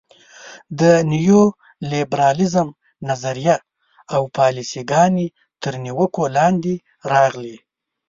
د نیولیبرالیزم نظریه او پالیسي ګانې تر نیوکو لاندې راغلي.